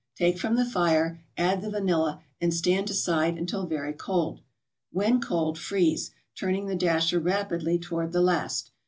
Take from the fire, add the vanilla, and stand aside until very cold. When cold, freeze, turning the dasher rapidly toward the last.